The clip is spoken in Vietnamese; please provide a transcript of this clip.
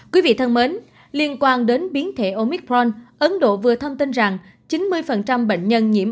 quý vị thân mến liên quan đến biến thể omicron ấn độ vừa thông tin rằng chín mươi bệnh nhân nhiễm